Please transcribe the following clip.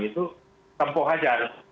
itu tempoh ajar